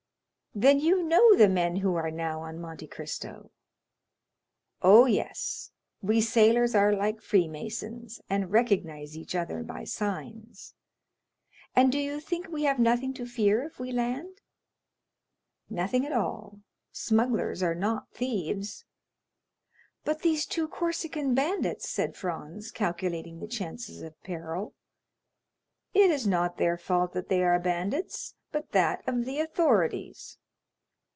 "Then you know the men who are now on Monte Cristo?" "Oh, yes, we sailors are like freemasons, and recognize each other by signs." "And do you think we have nothing to fear if we land?" "Nothing at all; smugglers are not thieves." "But these two Corsican bandits?" said Franz, calculating the chances of peril. "It is not their fault that they are bandits, but that of the authorities."